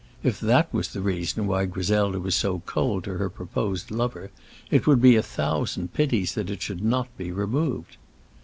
If that was the reason why Griselda was so cold to her proposed lover, it would be a thousand pities that it should not be removed.